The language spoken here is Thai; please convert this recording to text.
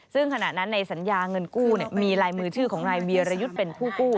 ซึ่งขณะนั้นในสัญญาเงินกู้มีลายมือชื่อของนายวีรยุทธ์เป็นผู้กู้